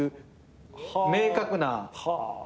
明確な。